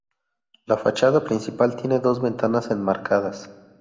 La fachada principal tiene dos ventanas enmarcadas.